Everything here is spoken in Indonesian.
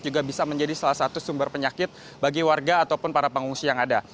juga bisa menjadi salah satu sumber penyakit bagi warga ataupun para pengungsi yang ada